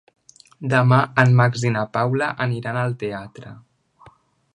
Demà en Max i na Paula aniran al teatre.